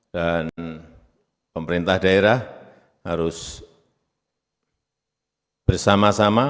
dan pemerintah daerah harus bersama sama